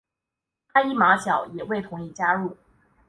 哈伊马角也未同意加入。